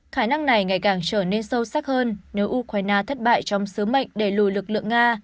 khả năng này ngày càng trở nên sâu sắc hơn nếu ukraine thất bại trong sứ mệnh để lùi lực lượng nga